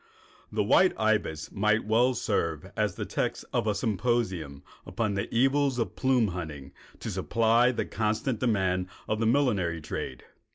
The white ibis might well serve as the text of a symposium upon the evils of plume hunting to supply the constant demand of the millinery trade.